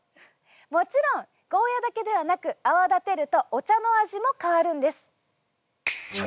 もちろんゴーヤだけではなく泡立てるとお茶の味も変わるんです。